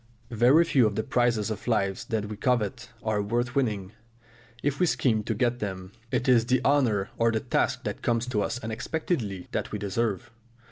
Very few of the prizes of life that we covet are worth winning, if we scheme to get them; it is the honour or the task that comes to us unexpectedly that we deserve.